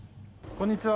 こんにちは。